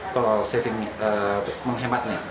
kalau saving menghematnya